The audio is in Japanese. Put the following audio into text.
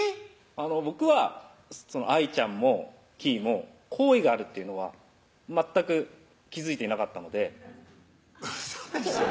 僕はＩちゃんもきぃも好意があるっていうのは全く気付いていなかったのでウソでしょ？